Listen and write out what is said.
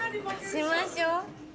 しましょう！